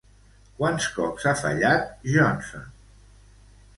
Quants cops ha fallat Johnson?